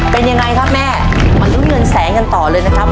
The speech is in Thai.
เป็นยังไงครับแม่มาลุ้นเงินแสนกันต่อเลยนะครับ